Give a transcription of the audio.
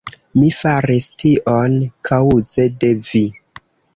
Mi faris tion kaŭze de vi.